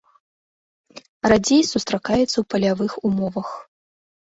Радзей сустракаецца ў палявых умовах.